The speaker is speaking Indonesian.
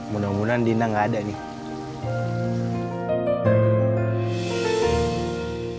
mudah mudahan dina gak ada nih